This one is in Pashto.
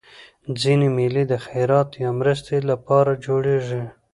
ځيني مېلې د خیرات یا مرستي له پاره جوړېږي.